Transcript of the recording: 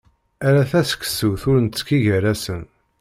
Ala taseqsut, ur nettkki gar-asen.